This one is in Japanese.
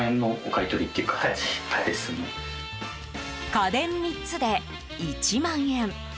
家電３つで１万円。